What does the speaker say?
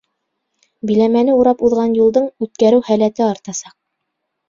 Биләмәне урап уҙған юлдың үткәреү һәләте артасаҡ.